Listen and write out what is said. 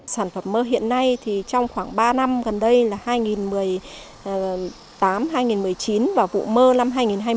sản phẩm mơ hiện nay trong khoảng ba năm gần đây là hai nghìn một mươi tám hai nghìn một mươi chín và vụ mơ năm hai nghìn hai mươi